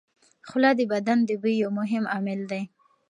خوله د بدن د بوی یو مهم عامل دی.